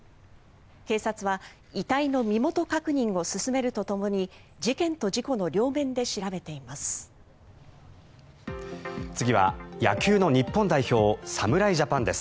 警察は遺体の身元確認を進めるとともに事件と事故の両面で調べています。